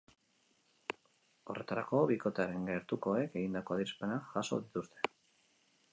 Horretarako, bikotearen gertukoek egindako adierazpenak jaso dituzte.